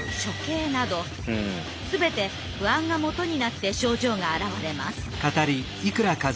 全て不安がもとになって症状があらわれます。